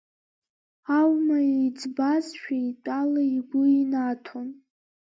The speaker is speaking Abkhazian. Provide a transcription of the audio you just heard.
Ауама иӡбазшәа итәала игәы инаҭон.